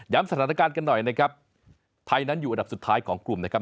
สถานการณ์กันหน่อยนะครับไทยนั้นอยู่อันดับสุดท้ายของกลุ่มนะครับ